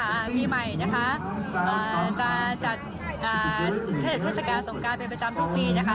ค่ะปีใหม่นะคะจะจัดเทศกาสงกรรมเป็นประจำทุกปีนะคะ